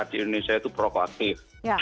di indonesia itu berokok aktif